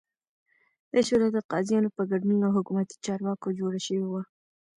دا شورا د قاضیانو په ګډون له حکومتي چارواکو جوړه شوې وه